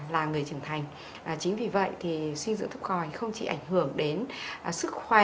là người trưởng thành chính vì vậy thì suy dưỡng thấp còi không chỉ ảnh hưởng đến sức khỏe